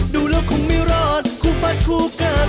ดูแล้วคงไม่รอดคู่ฟัดคู่กัน